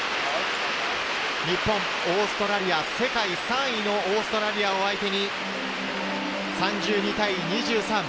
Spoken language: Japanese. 日本、オーストラリア、世界３位のオーストラリアを相手に３２対２３。